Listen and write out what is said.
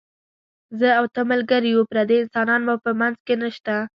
زه او ته ملګري یو، پردي انسانان مو په منځ کې نشته.